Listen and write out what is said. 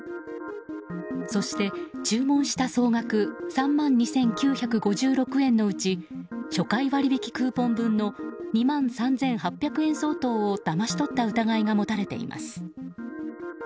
そして注文した総額３万２９５６円のうち初回割引クーポン分の２万３８００円相当をだまし取った疑いが持たれています。